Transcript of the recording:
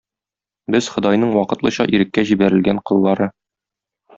Без – Ходайның вакытлыча иреккә җибәрелгән коллары.